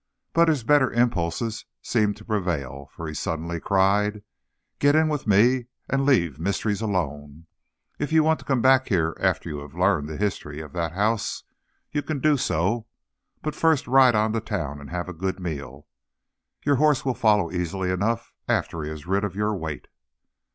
But his better impulses seemed to prevail, for he suddenly cried: "Get in with me, and leave mysteries alone. If you want to come back here after you have learned the history of that house, you can do so; but first ride on to town and have a good meal. Your horse will follow easily enough after he is rid of your weight."